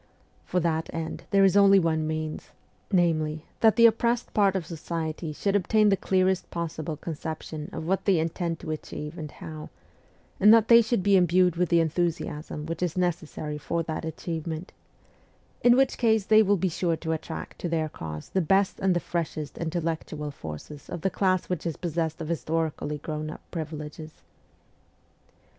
For that end there is only one means ; namely, that the oppressed part of society should obtain the clearest possible conception of what they intend to achieve and how, and that they should be imbued with the enthusiasm which is necessary for that achieve ment in which case they will be sure to attract to their cause the best and the freshest intellectual forces of the class which is possessed of historically grown up privileges.